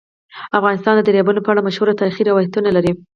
افغانستان د دریابونه په اړه مشهور تاریخی روایتونه لري.